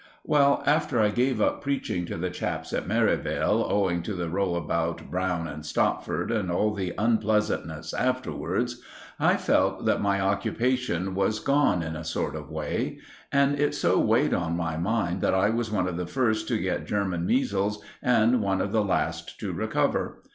Well, after I gave up preaching to the chaps at Merivale, owing to the row about Browne and Stopford and all the unpleasantness afterwards, I felt that my occupation was gone in a sort of way; and it so weighed on my mind that I was one of the first to get German measles and one of the last to recover.